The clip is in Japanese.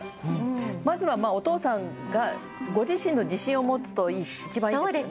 まずはお父さんがご自身の自信を持つと、一番いいですね。